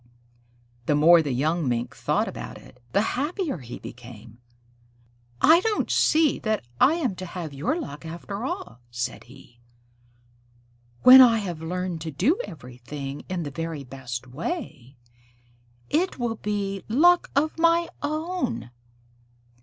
The more the young Mink thought about it, the happier he became. "I don't see that I am to have your luck after all," said he. "When I have learned to do everything in the very best way, it will be luck of my own."